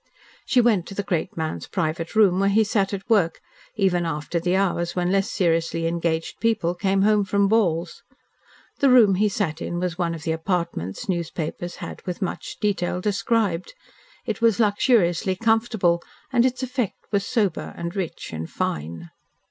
She went to the great man's private room, where he sat at work, even after the hours when less seriously engaged people come home from balls. The room he sat in was one of the apartments newspapers had with much detail described. It was luxuriously comfortable, and its effect was sober and rich and fine.